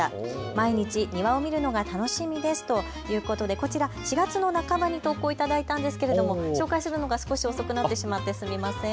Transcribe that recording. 毎日、庭を見るのが楽しみですということで、こちら４月の半ばに投稿をいただいたんですけれども紹介するのが少し遅くなってしまってすみません。